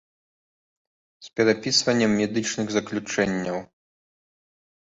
З перапісваннем медычных заключэнняў.